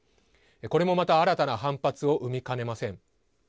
これもまた新たな反発を生みかねません。